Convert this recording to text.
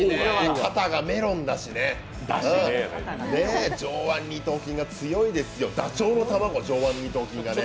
肩がメロンだしね、上腕二頭筋が強いですよだちょうの卵、上腕二頭筋がね。